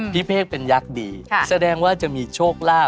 พี่เภกเป็นยักษ์ดีแสดงว่าจะมีโชคลาภ